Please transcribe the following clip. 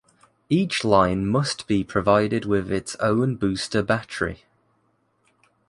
Each line must be provided with its own booster battery.